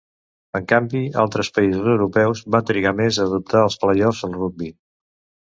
En canvi, altres països europeus van trigar més a adoptar els play-offs al rugbi.